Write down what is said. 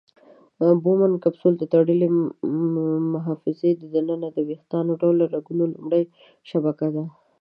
بومن کپسول د تړلې محفظې د ننه د ویښته ډوله رګونو لومړۍ شبکه ده.